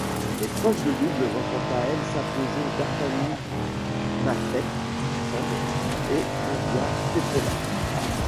L'épreuve de double voit quant à elle s'imposer Bethanie Mattek-Sands et Nadia Petrova.